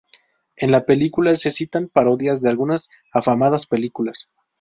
En la película se citan parodias de algunas afamadas películas.